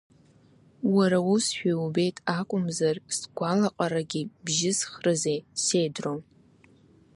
Уара усшәа иубеит акәымзар, сгәалаҟарагьы бжьызхрызеи сеидроу!